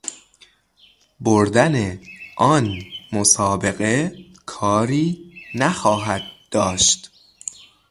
بردن آن مسابقه کاری نخواهد داشت.